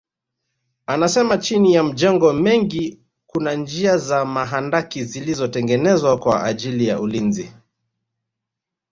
Anasema chini ya majengo mengi kuna njia za mahandaki zilizotengenezwa kwa ajili ya ulinzi